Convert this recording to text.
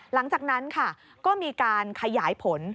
หลังจากนั้นค่ะก็มีการขยายผล